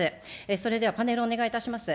それではパネルお願いいたします。